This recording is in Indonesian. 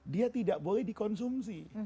dia tidak boleh dikonsumsi